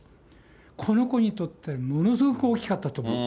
この子にとって、ものすごく大きかったと思う。